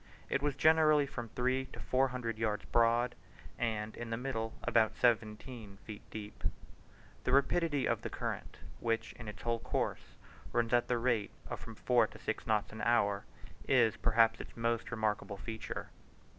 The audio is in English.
It was generally from three to four hundred yards broad, and in the middle about seventeen feet deep. The rapidity of the current, which in its whole course runs at the rate of from four to six knots an hour, is perhaps its most remarkable feature.